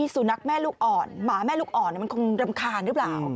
สุนัขแม่ลูกอ่อนหมาแม่ลูกอ่อนมันคงรำคาญหรือเปล่า